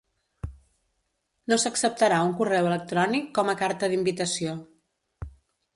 No s'acceptarà un correu electrònic com a carta d'invitació.